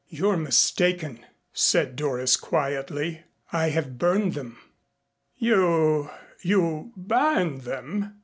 "You're mistaken," said Doris quietly. "I have burned them." "You you burned them?"